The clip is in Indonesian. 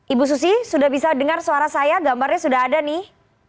ibu susi sudah bisa dengar suara saya gambarnya sudah ada nih